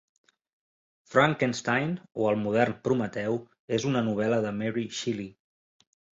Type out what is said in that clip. Frankenstein, o el modern Prometeu, és una novel·la de Mary Shelley.